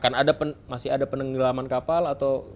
akan ada masih ada pengendalian kapal atau